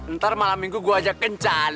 ntar malam minggu gue ajak kencan